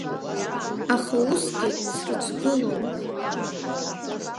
Аха усгьы срыцәгылон.